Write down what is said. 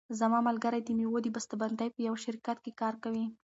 زما ملګری د مېوو د بسته بندۍ په یوه شرکت کې کار کوي.